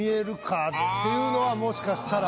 っていうのはもしかしたら。